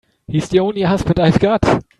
He's the only husband I've got.